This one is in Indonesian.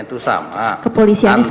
itu sama kepolisiannya sama